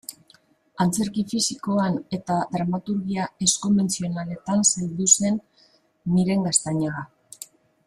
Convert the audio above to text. Antzerki fisikoan eta dramaturgia ez-konbentzionaletan zaildu zen Miren Gaztañaga.